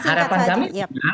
nah harapan kami